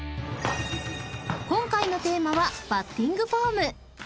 ［今回のテーマはバッティングフォーム］